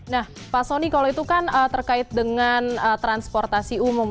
nah pak soni kalau itu kan terkait dengan transportasi umum